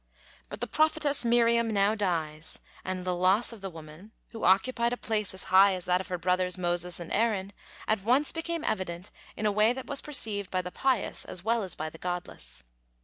But the prophetess Miriam now dies, and the loss of the woman, who occupied a place as high as that of her brothers, Moses and Aaron, at once became evident in a way that was perceived by the pious as well as by the godless.